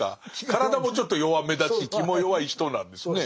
体もちょっと弱めだし気も弱い人なんですね。